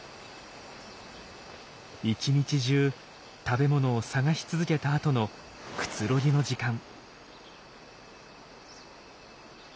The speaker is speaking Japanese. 一日中食べ物を探し続けた後のくつろぎの時間。